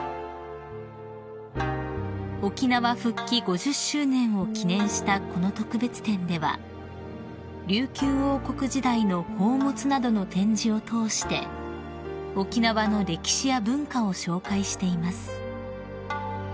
［沖縄復帰５０周年を記念したこの特別展では琉球王国時代の宝物などの展示を通して沖縄の歴史や文化を紹介しています］